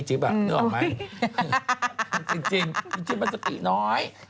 จริงจิ๊ปมันสติน้อย